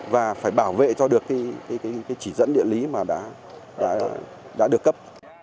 và phải bảo vệ cho được chỉ dẫn địa lý mà đã được cấp